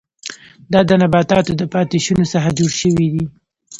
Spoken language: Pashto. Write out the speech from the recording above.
دا د نباتاتو د پاتې شونو څخه جوړ شوي دي.